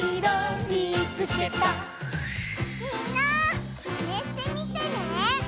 みんなマネしてみてね！